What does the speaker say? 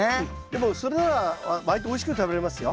でもそれならわりとおいしく食べれますよ。